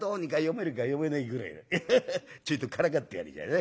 ちょいとからかってやる。